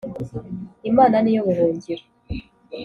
Imana niyo buhungiro